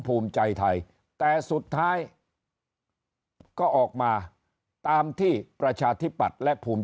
ภูมิใจไทยแต่สุดท้ายก็ออกมาตามที่ประชาธิปัตย์และภูมิ